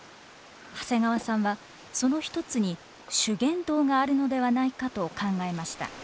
長谷川さんはその一つに修験道があるのではないかと考えました。